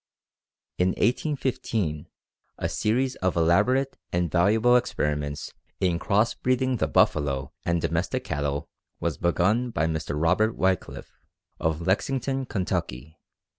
In 1815 a series of elaborate and valuable experiments in cross breeding the buffalo and domestic cattle was begun by Mr. Robert Wickliffe, of Lexington, Ky.